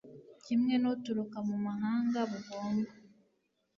kimwe n uturuka mu mahanga bugomba